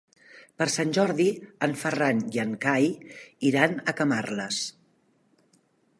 Per Sant Jordi en Ferran i en Cai iran a Camarles.